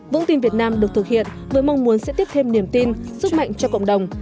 vững tin việt nam được thực hiện với mong muốn sẽ tiếp thêm niềm tin sức mạnh cho cộng đồng